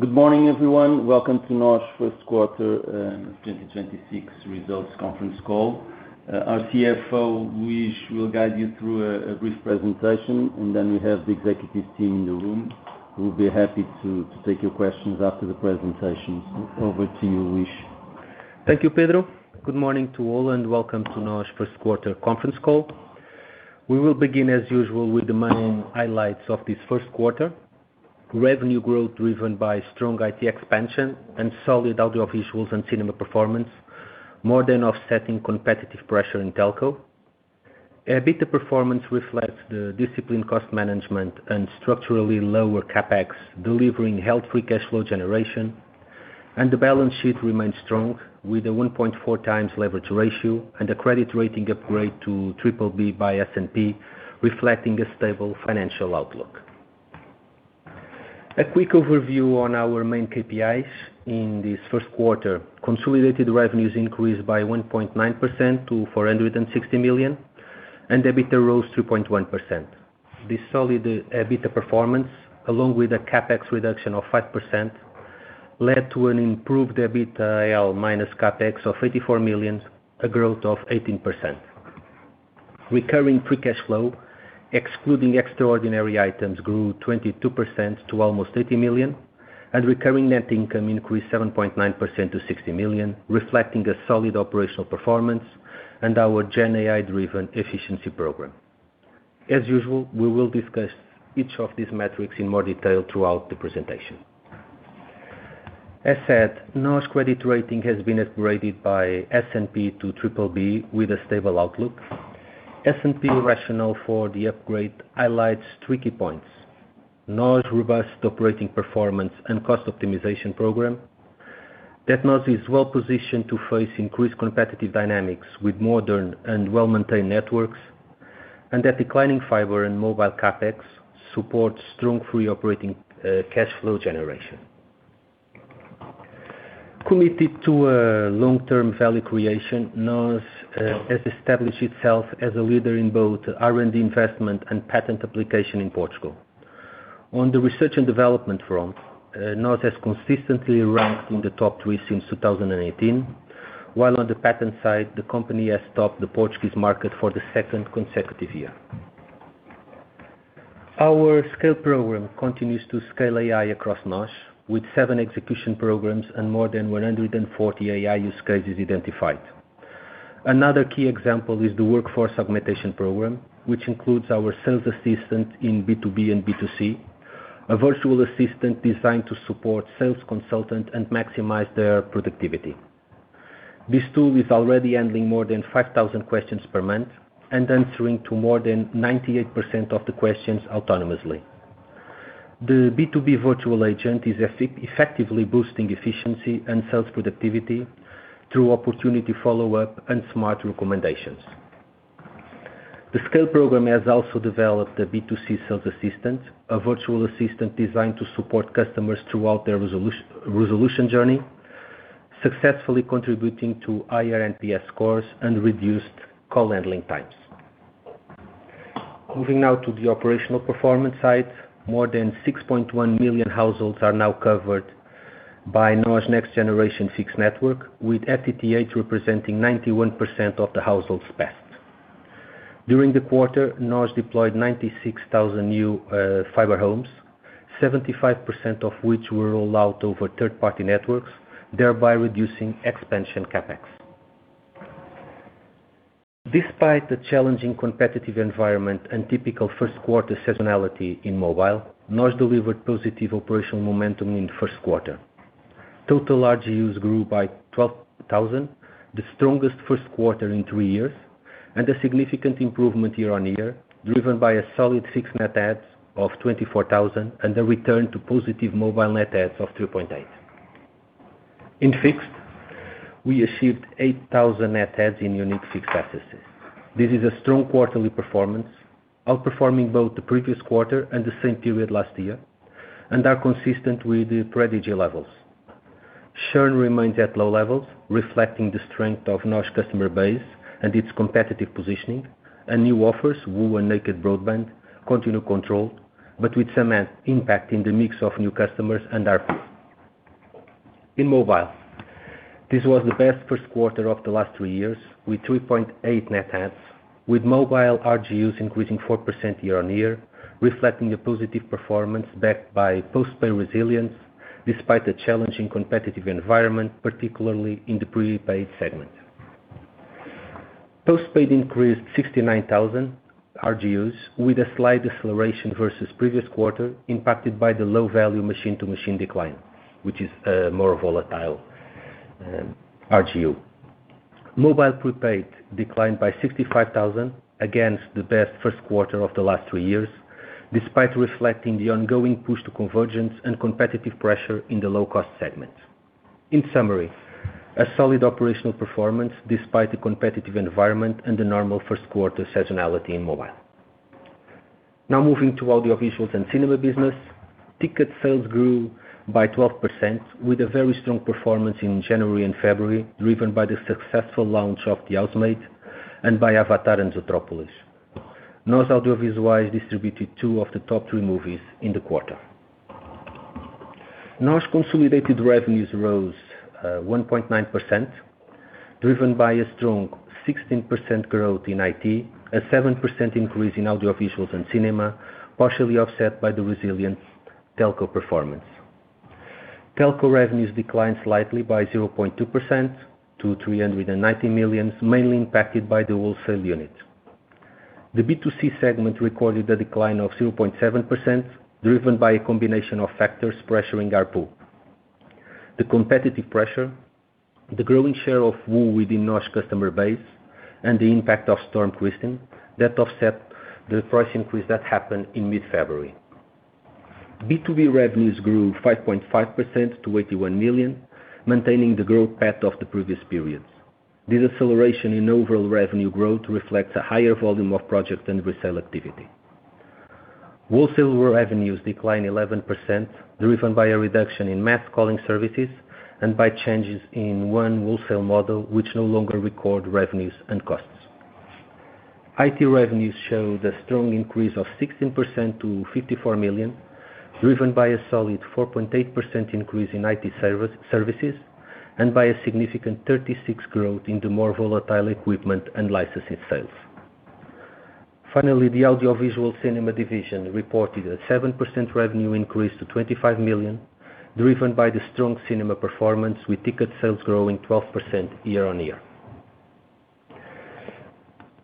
Good morning, everyone. Welcome to NOS Q1 2026 results conference call. Our CFO, Luís, will guide you through a brief presentation, and then we have the executive team in the room who'll be happy to take your questions after the presentation. Over to you, Luís. Thank you, Pedro. Good morning to all and welcome to NOS Q1 conference call. We will begin as usual with the main highlights of this Q1. Revenue growth driven by strong IT expansion and solid audio visuals and cinema performance, more than offsetting competitive pressure in telco. EBITDA performance reflects the disciplined cost management and structurally lower CapEx, delivering healthy cash flow generation. The balance sheet remains strong with a 1.4x leverage ratio and a credit rating upgrade to BBB by S&P, reflecting a stable financial outlook. A quick overview on our main KPIs in this Q1. Consolidated revenues increased by 1.9% to 460 million, EBITDA rose 2.1%. The solid EBITDA performance, along with a CapEx reduction of 5% led to an improved EBITDA AL minus CapEx of 84 million, a growth of 18%. Recurring free cash flow, excluding extraordinary items, grew 22% to almost 80 million, and recurring net income increased 7.9% to 60 million, reflecting a solid operational performance and our GenAI-driven efficiency program. As usual, we will discuss each of these metrics in more detail throughout the presentation. As said, NOS credit rating has been upgraded by S&P to BBB with a stable outlook. S&P rationale for the upgrade highlights three key points. NOS' robust operating performance and cost optimization program. NOS is well-positioned to face increased competitive dynamics with modern and well-maintained networks. Declining fiber and mobile CapEx supports strong free operating cash flow generation. Committed to a long-term value creation, NOS has established itself as a leader in both R&D investment and patent application in Portugal. On the research and development front, NOS has consistently ranked in the top three since 2018, while on the patent side, the company has topped the Portuguese market for the second consecutive year. Our SCALE program continues to scale AI across NOS with seven execution programs and more than 140 AI use cases identified. Another key example is the workforce augmentation program, which includes our sales assistant in B2B and B2C, a virtual assistant designed to support sales consultant and maximize their productivity. This tool is already handling more than 5,000 questions per month and answering to more than 98% of the questions autonomously. The B2B virtual agent is effectively boosting efficiency and sales productivity through opportunity follow-up and smart recommendations. The SCALE program has also developed a B2C sales assistant, a virtual assistant designed to support customers throughout their resolution journey, successfully contributing to higher NPS scores and reduced call handling times. Moving now to the operational performance side. More than 6.1 million households are now covered by NOS' next generation fixed network, with FTTH representing 91% of the households passed. During the quarter, NOS deployed 96,000 new fiber homes, 75% of which were all out over third-party networks, thereby reducing expansion CapEx. Despite the challenging competitive environment and typical Q1 seasonality in mobile, NOS delivered positive operational momentum in the Q1. Total RGUs grew by 12,000, the strongest Q1 in three years, and a significant improvement year-on-year, driven by a solid fixed net adds of 24,000 and a return to positive mobile net adds of 3.8. In fixed, we achieved 8,000 net adds in unique fixed accesses. This is a strong quarterly performance, outperforming both the previous quarter and the same period last year, and are consistent with the strategy levels. Churn remains at low levels, reflecting the strength of NOS customer base and its competitive positioning. New offers, WOO and naked broadband, continue control, but with some impact in the mix of new customers and ARPUs. In mobile, this was the best Q1 of the last three years with 3.8 net adds, with mobile RGUs increasing 4% year-on-year, reflecting a positive performance backed by postpaid resilience despite the challenging competitive environment, particularly in the prepaid segment. Postpaid increased 69,000 RGUs with a slight deceleration versus previous quarter impacted by the low value machine to machine decline, which is more volatile RGU. Mobile prepaid declined by 65,000 against the best Q1 of the last three years, despite reflecting the ongoing push to convergence and competitive pressure in the low cost segment. In summary, a solid operational performance despite the competitive environment and the normal Q1 seasonality in mobile. Now moving to audiovisuals and cinema business. Ticket sales grew by 12% with a very strong performance in January and February, driven by the successful launch of The Housemaid and by Avatar and Zootropolis. NOS Audiovisuais distributed two of the top three movies in the quarter. NOS consolidated revenues rose 1.9% driven by a strong 16% growth in IT, a 7% increase in audiovisual and cinema, partially offset by the resilient telco performance. Telco revenues declined slightly by 0.2% to 390 million, mainly impacted by the wholesale unit. The B2C segment recorded a decline of 0.7%, driven by a combination of factors pressuring ARPU. The competitive pressure, the growing share of WOO within NOS customer base and the impact of Storm Ciarán that offset the price increase that happened in mid-February. B2B revenues grew 5.5% to 81 million, maintaining the growth path of the previous periods. This acceleration in overall revenue growth reflects a higher volume of projects and resale activity. Wholesale revenues declined 11%, driven by a reduction in mass calling services and by changes in one wholesale model, which no longer record revenues and costs. IT revenues showed a strong increase of 16% to 54 million, driven by a solid 4.8% increase in IT services and by a significant 36% growth in the more volatile equipment and licensing sales. Finally, the audiovisual cinema division reported a 7% revenue increase to 25 million, driven by the strong cinema performance, with ticket sales growing 12% year-on-year.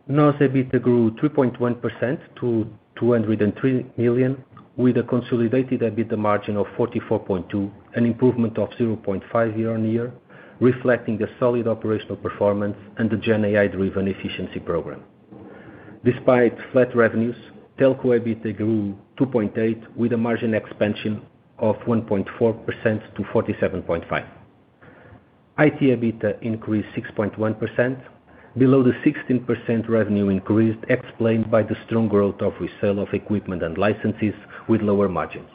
NOS EBITDA grew 3.1% to 203 million, with a consolidated EBITDA margin of 44.2%, an improvement of 0.5 year-on-year, reflecting the solid operational performance and the GenAI-driven efficiency program. Despite flat revenues, telco EBITDA grew 2.8% with a margin expansion of 1.4% to 47.5%. IT EBITDA increased 6.1% below the 16% revenue increase explained by the strong growth of resale of equipment and licenses with lower margins.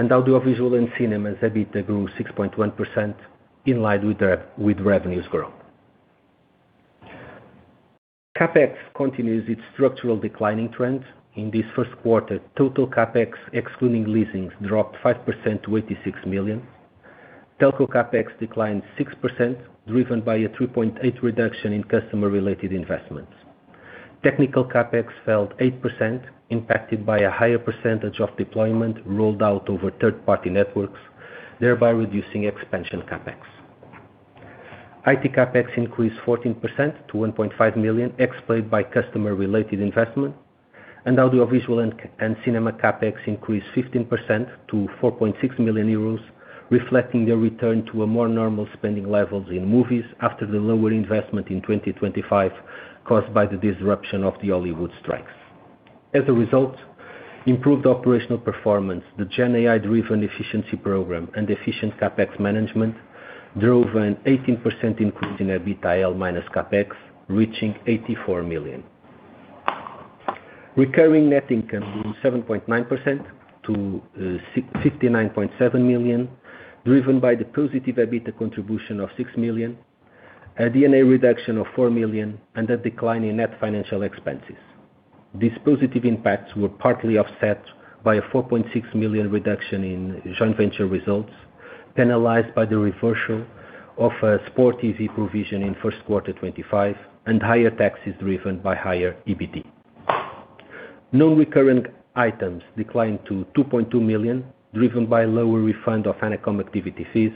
Audiovisual and cinema's EBITDA grew 6.1% in line with revenues growth. CapEx continues its structural declining trend. In this Q1, total CapEx, excluding leasings, dropped 5% to 86 million. Telco CapEx declined 6%, driven by a 3.8% reduction in customer-related investments. Technical CapEx fell 8%, impacted by a higher percentage of deployment rolled out over third-party networks, thereby reducing expansion CapEx. IT CapEx increased 14% to 1.5 million, explained by customer-related investment. Audiovisual and cinema CapEx increased 15% to 4.6 million euros, reflecting their return to a more normal spending levels in movies after the lower investment in 2025 caused by the disruption of the Hollywood strikes. As a result, improved operational performance, the GenAI-driven efficiency program, and efficient CapEx management drove an 18% increase in EBITDAL minus CapEx, reaching 84 million. Recurring net income grew 7.9% to 59.7 million, driven by the positive EBITDA contribution of 6 million, a D&A reduction of 4 million, and a decline in net financial expenses. These positive impacts were partly offset by a 4.6 million reduction in joint venture results, penalized by the reversal of a Sport TV provision in Q1 2025 and higher taxes driven by higher EBT. Non-recurring items declined to 2.2 million, driven by lower refund of ANACOM activity fees,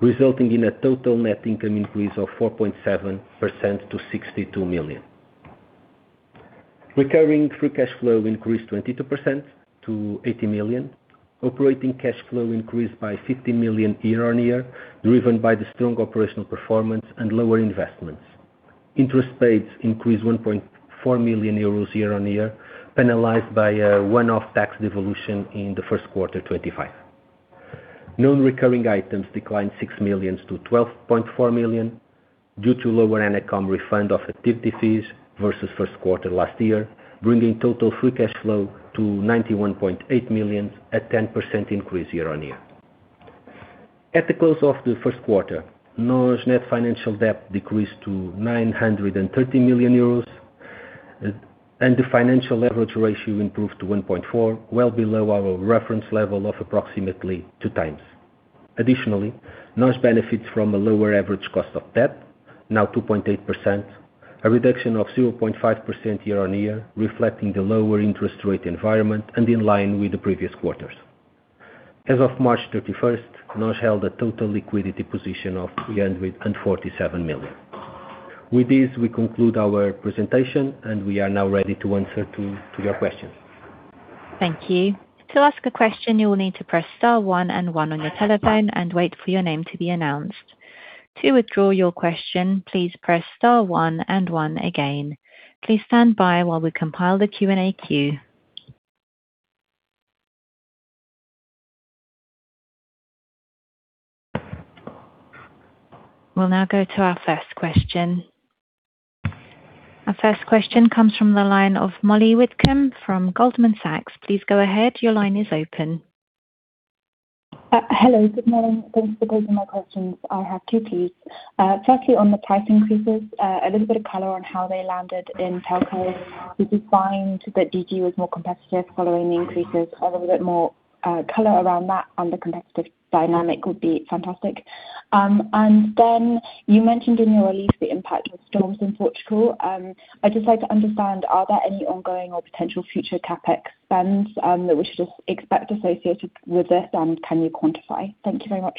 resulting in a total net income increase of 4.7% to 62 million. Recurring free cash flow increased 22% to 80 million. Operating cash flow increased by 50 million year-on-year, driven by the strong operational performance and lower investments. Interest rates increased 1.4 million euros year-on-year, penalized by a one-off tax devolution in the Q1 2025. Non-recurring items declined 6 million to 12.4 million due to lower ANACOM refund of active fees versus Q1 last year, bringing total free cash flow to 91.8 million, a 10% increase year-on-year. At the close of the Q1, NOS net financial debt decreased to 930 million euros, and the financial leverage ratio improved to 1.4, well below our reference level of approximately 2x. Additionally, NOS benefits from a lower average cost of debt, now 2.8%, a reduction of 0.5% year-on-year, reflecting the lower interest rate environment and in line with the previous quarters. As of March 31st, NOS held a total liquidity position of 347 million. With this, we conclude our presentation, and we are now ready to answer to your questions. Thank you. To ask a question, you will need to press star one and one on your telephone and wait for your name to be announced. To withdraw your question, please press star one and one again. Please stand by while we compile the Q&A queue. We'll now go to our first question. Our first question comes from the line of Mollie Witcombe from Goldman Sachs. Please go ahead. Your line is open. Hello. Good morning. Thanks for taking my questions. I have two, please. Firstly, on the press increases, a little bit of color on how they landed in telco. We defined that Digi was more competitive following the increases. A little bit more color around that on the competitive dynamic would be fantastic. Then you mentioned in your release the impact of storms in Portugal. I'd just like to understand, are there any ongoing or potential future CapEx spends that we should expect associated with this? And can you quantify? Thank you very much.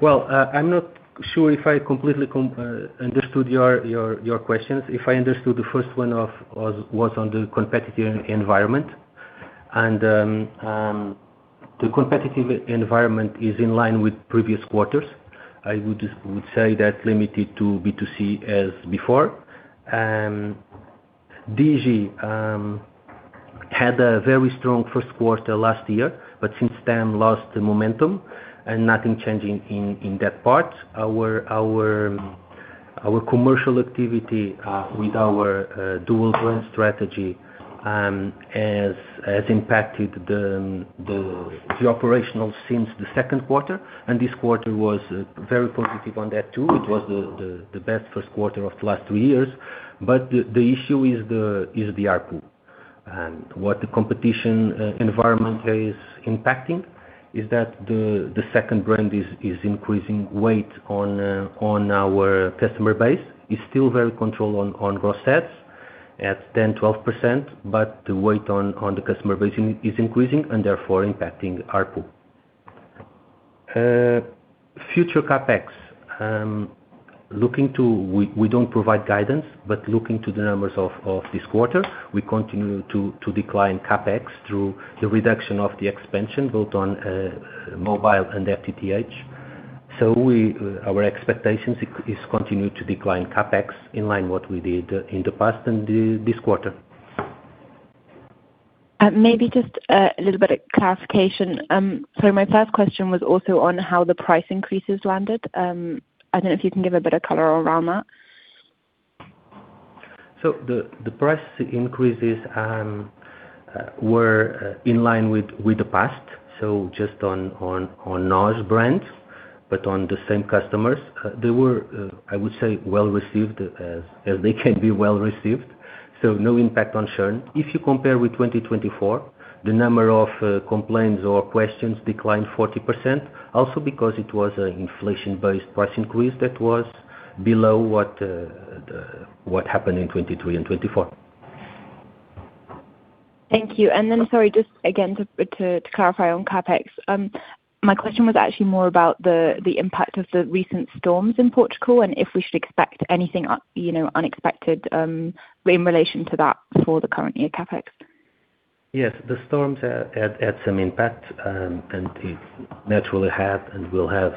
Well, I'm not sure if I completely understood your questions. If I understood the first one of, was on the competitive environment. The competitive environment is in line with previous quarters. I would say that limited to B2C as before. Digi had a very strong Q1 last year, but since then lost the momentum and nothing changing in that part. Our commercial activity with our dual brand strategy has impacted the operational since the second quarter. This quarter was very positive on that too. It was the best Q1 of the last three years. The issue is the ARPU. What the competition environment is impacting is that the second brand is increasing weight on our customer base. It's still very controlled on growth sets at 10, 12%, but the weight on the customer base is increasing and therefore impacting ARPU. Future CapEx, looking to we don't provide guidance, but looking to the numbers of this quarter, we continue to decline CapEx through the reduction of the expansion both on mobile and FTTH. We, our expectations is continue to decline CapEx in line what we did in the past and this quarter. Maybe just a little bit of clarification. My first question was also on how the price increases landed. I don't know if you can give a bit of color around that. The price increases were in line with the past. Just on NOS brands, but on the same customers. They were, I would say well-received as they can be well-received. No impact on churn. If you compare with 2024, the number of complaints or questions declined 40% also because it was an inflation-based price increase that was below what happened in 2023 and 2024. Thank you. Sorry, just again to clarify on CapEx. My question was actually more about the impact of the recent storms in Portugal, and if we should expect anything you know, unexpected, in relation to that for the current year CapEx. Yes. The storms had some impact. It naturally had and will have,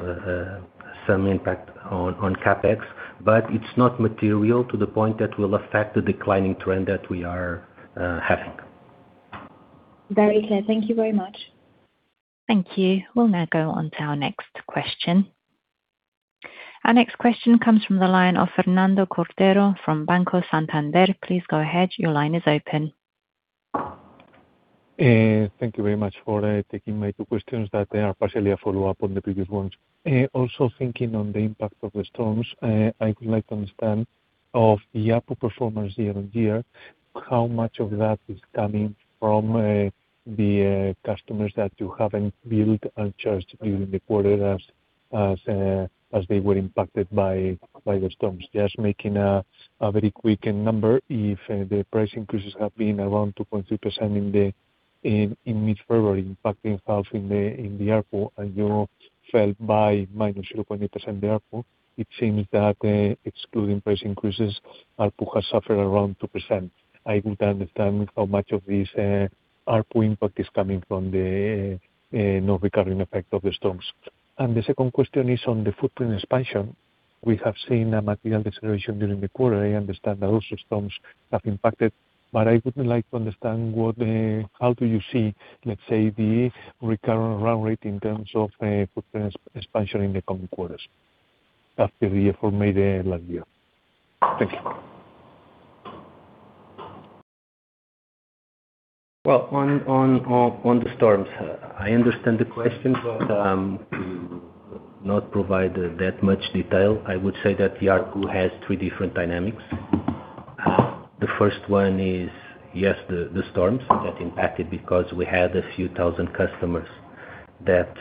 some impact on CapEx, but it's not material to the point that will affect the declining trend that we are having. Very clear. Thank you very much. Thank you. We'll now go on to our next question. Our next question comes from the line of Fernando Cordero from Banco Santander. Please go ahead. Your line is open. Thank you very much for taking my two questions that are partially a follow-up on the previous ones. Also thinking on the impact of the storms. I would like to understand of the ARPU performance year-over-year, how much of that is coming from the customers that you haven't billed and charged during the quarter as they were impacted by the storms? Just making a very quick number. If the price increases have been around 2.2% in mid-February, impacting us in the ARPU and you fell by -0.8% ARPU, it seems that excluding price increases, ARPU has suffered around 2%. I would understand how much of this ARPU impact is coming from the non-recurring effect of the storms. The second question is on the footprint expansion. We have seen a material deceleration during the quarter. I understand that also storms have impacted, but I would like to understand what, how do you see, let's say, the recurrent run rate in terms of footprint expansion in the coming quarters after the effort made last year. Thank you. Well, on the storms, I understand the question, to not provide that much detail. I would say that the ARPU has three different dynamics. The first one is, yes, the storms that impacted because we had a few thousand customers that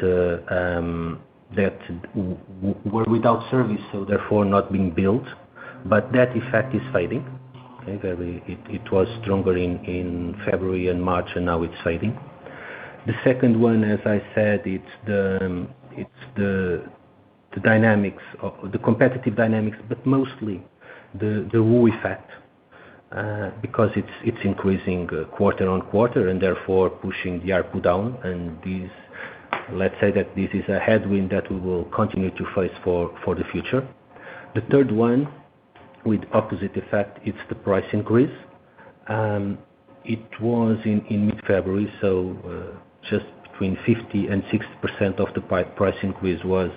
were without service, so therefore not being billed. That effect is fading. Okay. It was stronger in February and March, now it's fading. The second one, as I said, it's the competitive dynamics, mostly the WOO effect. Because it's increasing quarter-on-quarter, therefore pushing the ARPU down. This, let's say that this is a headwind that we will continue to face for the future. The third one with opposite effect, it's the price increase. It was in mid-February, just between 50% and 60% of the pipe price increase was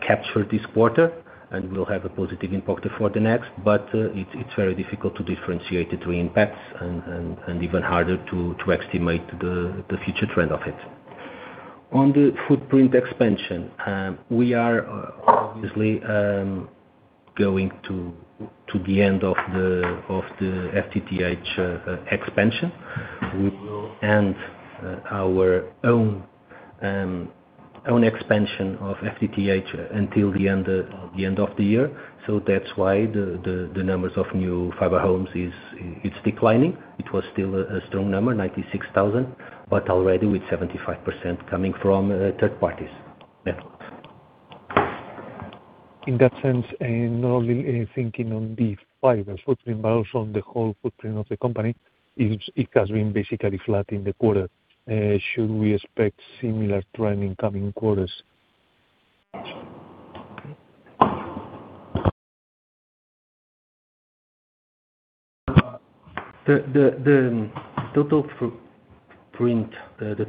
captured this quarter, and we will have a positive impact for the next. It is very difficult to differentiate between impacts and even harder to estimate the future trend of it. On the footprint expansion, we are obviously going to the end of the FTTH expansion. We will end our own expansion of FTTH until the end of the year. That is why the numbers of new fiber homes is declining. It was still a strong number, 96,000, but already with 75% coming from third parties. In that sense, not only, thinking on the fiber footprint, but also on the whole footprint of the company, it has been basically flat in the quarter. Should we expect similar trend in coming quarters? The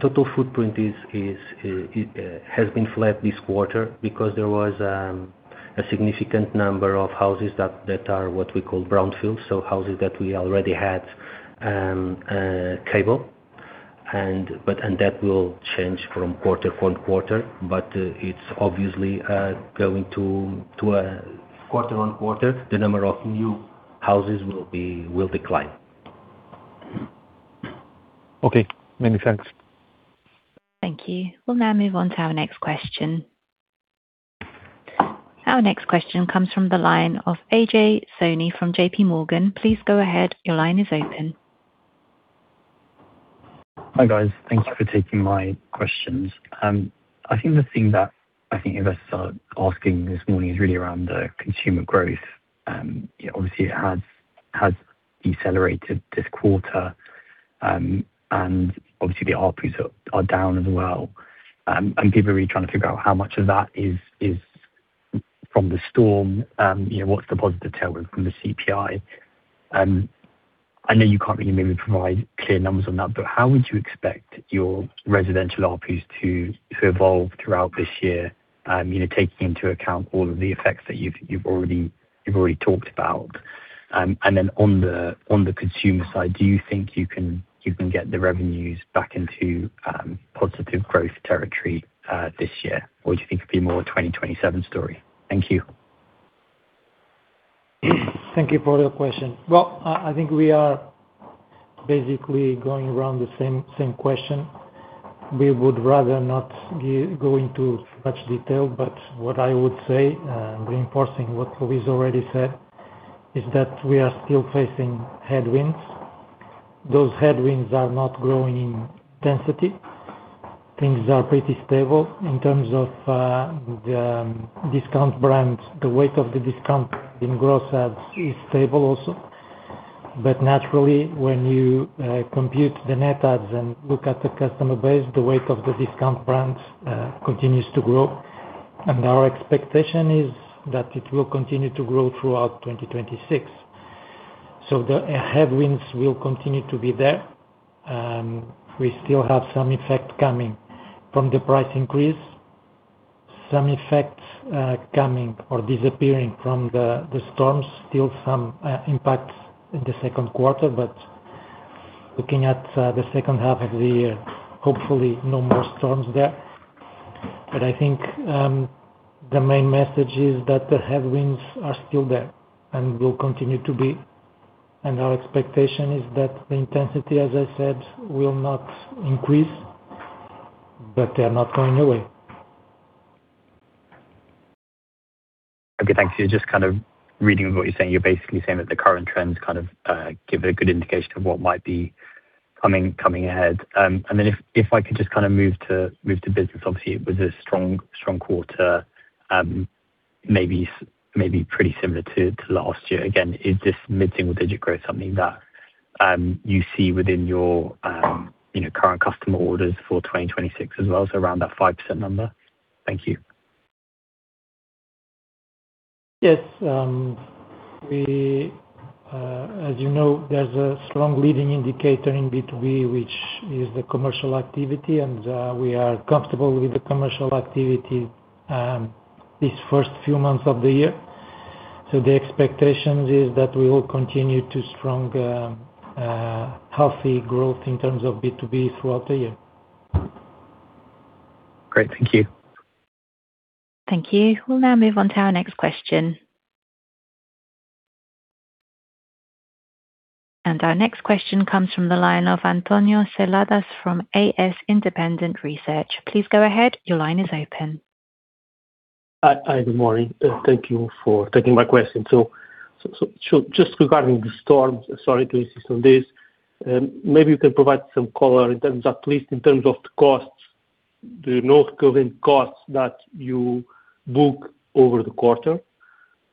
total footprint is, it has been flat this quarter because there was a significant number of houses that are what we call brownfields, so houses that we already had cable. That will change from quarter-on-quarter, but it's obviously going to quarter-on-quarter, the number of new houses will decline. Okay. Many thanks. Thank you. We'll now move on to our next question. Our next question comes from the line of Ajay Soni from JPMorgan. Please go ahead. Your line is open. Hi, guys. Thank you for taking my questions. I think the thing that I think investors are asking this morning is really around the consumer growth. Obviously, it has decelerated this quarter. And obviously, the ARPUs are down as well. I'm given really trying to figure how much of that is from the storm. You know, what's the positive tailwind from the CPI? I know you can't really maybe provide clear numbers on that, but how would you expect your residential ARPUs to evolve throughout this year? You know, taking into account all of the effects that you've already talked about. And then on the consumer side, do you think you can get the revenues back into positive growth territory this year? Do you think it'd be more a 2027 story? Thank you. Thank you for your question. I think we are basically going around the same question. We would rather not go into much detail, what I would say, reinforcing what Luís already said, is that we are still facing headwinds. Those headwinds are not growing in density. Things are pretty stable in terms of the discount brands. The weight of the discount in gross adds is stable also. Naturally, when you compute the net adds and look at the customer base, the weight of the discount brands continues to grow. Our expectation is that it will continue to grow throughout 2026. The headwinds will continue to be there. We still have some effect coming from the price increase. Some effects coming or disappearing from the storms. Still some impact in the Q2, looking at the H2 of the year, hopefully no more storms there. I think the main message is that the headwinds are still there and will continue to be. Our expectation is that the intensity, as I said, will not increase, but they are not going away. Okay, thanks. You're just kind of reading what you're saying. You're basically saying that the current trends kind of give a good indication of what might be coming ahead. If I could just kind of move to business, obviously, it was a strong quarter. Maybe pretty similar to last year. Again, is this mid-single digit growth something that you see within your, you know, current customer orders for 2026 as well, so around that 5% number? Thank you. Yes. We, as you know, there's a strong leading indicator in B2B, which is the commercial activity, and, we are comfortable with the commercial activity, these first few months of the year. The expectations is that we will continue to strong healthy growth in terms of B2B throughout the year. Great. Thank you. Thank you. We'll now move on to our next question. Our next question comes from the line of António Seladas from AS Independent Research. Please go ahead. Your line is open. Hi. Hi, good morning. Thank you for taking my question. Just regarding the storms, sorry to insist on this, maybe you can provide some color in terms, at least in terms of the costs, the non-recurring costs that you book over the quarter.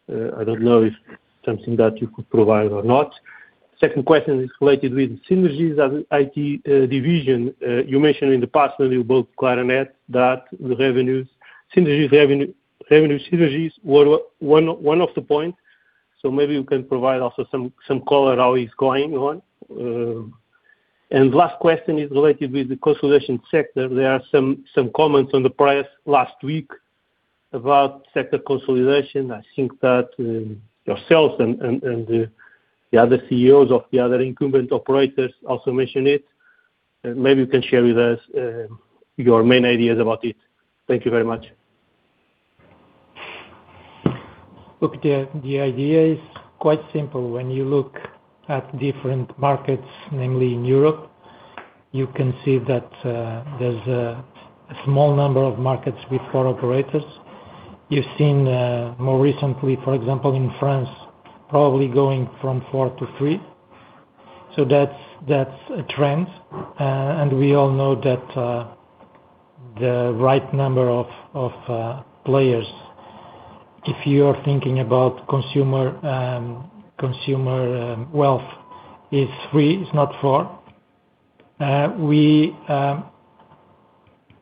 I don't know if it's something that you could provide or not. Second question is related with synergies of IT division. You mentioned in the past that you bought Claranet, that the revenue synergies were one of the points. Maybe you can provide also some color how it's going on. Last question is related with the consolidation sector. There are some comments on the press last week about sector consolidation. I think that yourselves and the other CEOs of the other incumbent operators also mentioned it. Maybe you can share with us, your main ideas about it. Thank you very much. Look, the idea is quite simple. When you look at different markets, namely in Europe, you can see that there's a small number of markets with four operators. You've seen more recently, for example, in France, probably going from four to three. That's a trend. And we all know that the right number of players, if you are thinking about consumer wealth, is three, it's not four. We,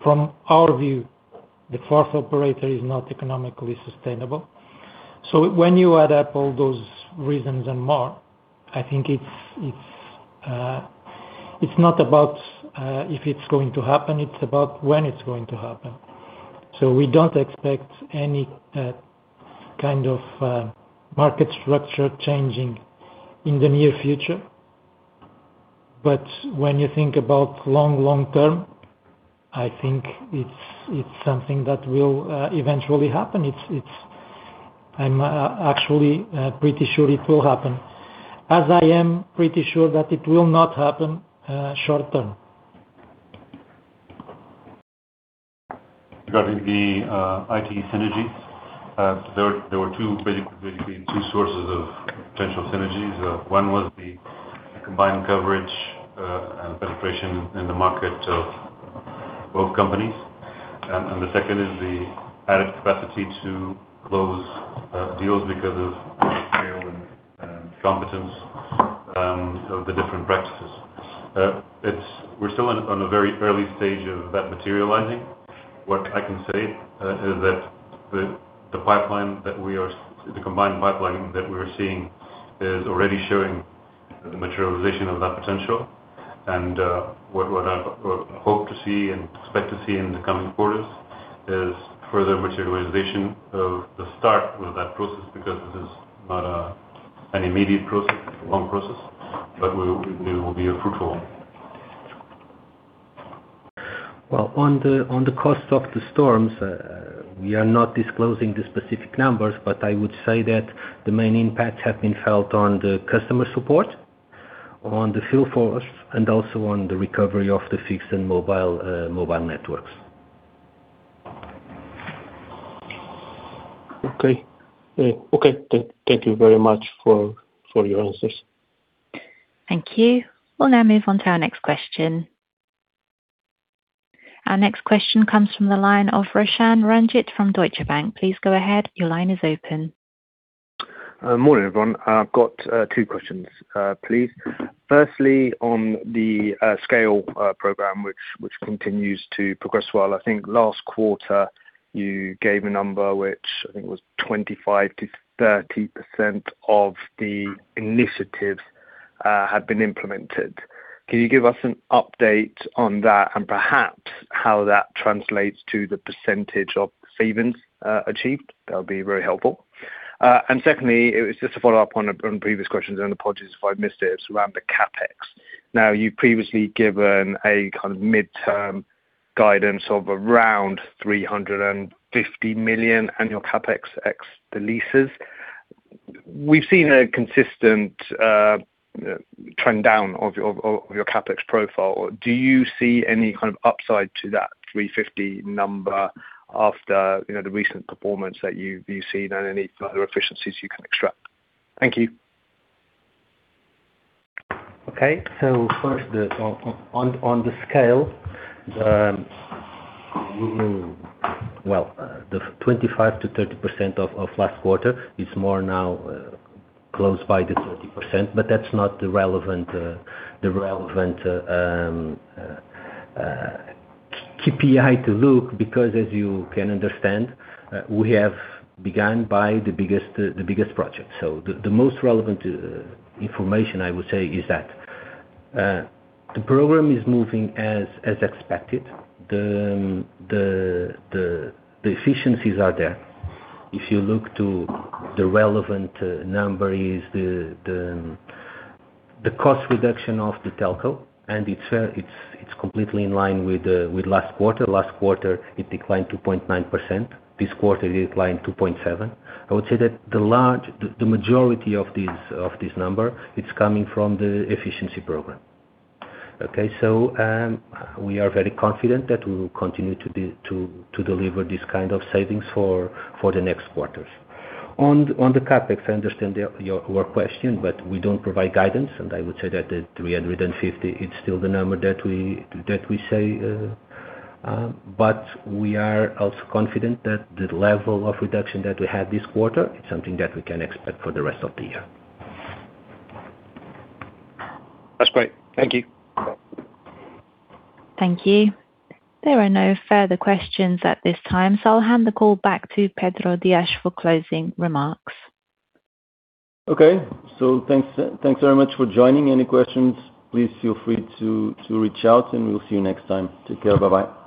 from our view, the fourth operator is not economically sustainable. When you add up all those reasons and more, I think it's not about if it's going to happen, it's about when it's going to happen. We don't expect any kind of market structure changing in the near future. When you think about long term, I think it's something that will eventually happen. I'm actually pretty sure it will happen. As I am pretty sure that it will not happen, short term. Regarding the IT synergies, there were two sources of potential synergies. One was the combined coverage and penetration in the market of both companies. The second is the added capacity to close deals because of SCALE and competence of the different practices. We're still on a very early stage of that materializing. What I can say is that the combined pipeline that we are seeing is already showing the materialization of that potential. What I hope to see and expect to see in the coming quarters is further materialization of the start of that process because this is not an immediate process. It's a long process, but we will be fruitful. Well, on the cost of the storms, we are not disclosing the specific numbers, but I would say that the main impacts have been felt on the customer support, on the field force, and also on the recovery of the fixed and mobile networks. Okay. Okay. Thank you very much for your answers. Thank you. We'll now move on to our next question. Our next question comes from the line of Roshan Ranjit from Deutsche Bank. Please go ahead. Your line is open. Morning, everyone. I've got two questions, please. Firstly, on the SCALE program, which continues to progress well. I think last quarter you gave a number which I think was 25%-30% of the initiatives had been implemented. Can you give us an update on that and perhaps how that translates to the percentage of savings achieved? That would be very helpful. Secondly, it was just a follow-up on previous questions, and apologies if I missed it's around the CapEx. Now, you've previously given a kind of midterm guidance of around 350 million annual CapEx ex the leases. We've seen a consistent trend down of your CapEx profile. Do you see any kind of upside to that 350 number after, you know, the recent performance that you've seen, and any further efficiencies you can extract? Thank you. Okay. First, on the SCALE, well, the 25%-30% of last quarter is more now close by the 30%, but that's not the relevant, the relevant KPI to look because as you can understand, we have begun by the biggest project. The most relevant information I would say is that the program is moving as expected. The efficiencies are there. If you look to the relevant number is the cost reduction of the telco, and it's completely in line with last quarter. Last quarter, it declined 2.9%. This quarter, it declined 2.7%. I would say that the large majority of this number is coming from the efficiency program. Okay? We are very confident that we will continue to deliver this kind of savings for the next quarters. On the CapEx, I understand your question, we don't provide guidance. I would say that the 350, it's still the number that we say. We are also confident that the level of reduction that we had this quarter is something that we can expect for the rest of the year. That's great. Thank you. Thank you. There are no further questions at this time, so I'll hand the call back to Pedro Dias for closing remarks. Okay. Thanks, thanks very much for joining. Any questions, please feel free to reach out, and we'll see you next time. Take care. Bye-bye.